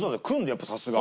やっぱさすが。